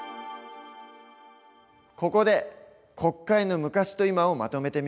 ここで国会の昔と今をまとめてみよう。